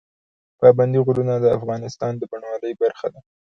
پابندی غرونه د افغانستان د بڼوالۍ برخه ده.